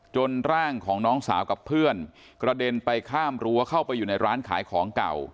ร่างของน้องสาวกับเพื่อนกระเด็นไปข้ามรั้วเข้าไปอยู่ในร้านขายของเก่า